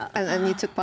dan kamu membuat apa